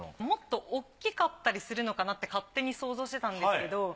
もっと大きかったりするのかなって勝手に想像してたんですけど。